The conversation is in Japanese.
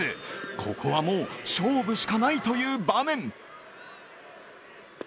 ここはもう、勝負しかないという場面。